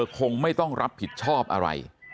คงไม่ต้องรับผิดชอบอะไร